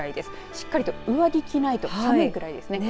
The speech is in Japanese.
しっかりと上着を着ないと寒いぐらいですね。